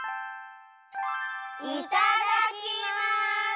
いただきます！